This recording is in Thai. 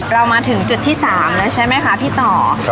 เรามาถึงจุดที่๓แล้วใช่ไหมคะพี่ต่อ